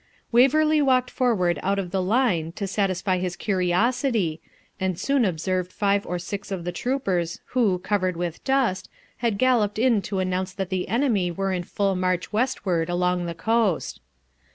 Waverley walked forward out of the line to satisfy his curiosity, and soon observed five or six of the troopers who, covered with dust, had galloped in to announce that the enemy were in full march westward along the coast.